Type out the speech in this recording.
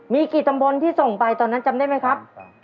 มีกี่ตำบลที่ส่งไปตอนนั้นจำได้ไหมครับ